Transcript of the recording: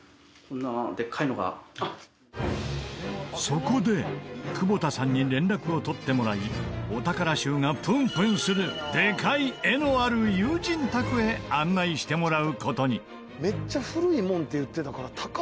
そこで久保田さんに連絡を取ってもらいお宝臭がプンプンするでかい絵のある友人宅へ案内してもらう事に。